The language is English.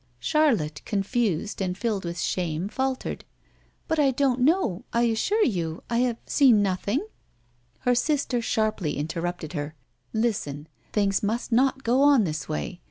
Charlotte, confused, and filled with shame, faltered: "But I don't know I assure you I have seen nothing " Her sister sharply interrupted her: "Listen! Things must not go on this way.